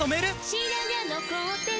「白髪残ってない！」